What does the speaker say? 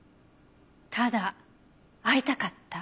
ただ会いたかった？